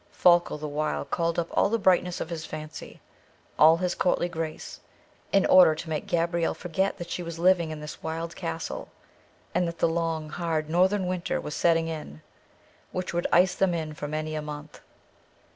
Folko the while called up all the brightness of his fancy, all his courtly grace, in order to make Gabrielle forget that she was living in this wild castle, and that the long, hard northern winter was setting in, which would ice them in for many a month.